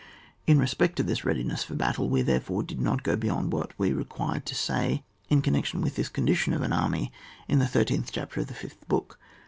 In respect to this readiness for battle, we therefore did not go beyond what we required to say in connection with this condition of an army in the 13th chapter of the 5th book.